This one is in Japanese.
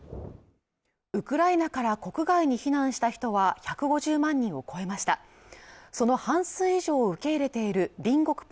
ウクライナから国外に避難した人は１５０万人を超えましたその半数以上を受け入れている隣国